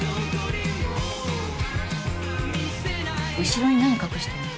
後ろに何隠してるの？